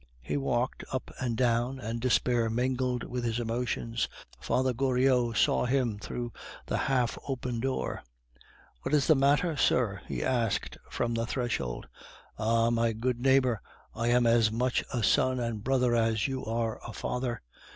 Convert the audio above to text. He walked up and down, and despair mingled with his emotion. Father Goriot saw him through the half open door. "What is the matter, sir?" he asked from the threshold. "Ah! my good neighbor, I am as much a son and brother as you are a father.